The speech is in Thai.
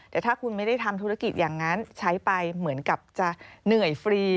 แต่ถ้าคุณไม่ได้ทำธุรกิจอย่างนั้นใช้ไปเหมือนกับจะเหนื่อยฟรี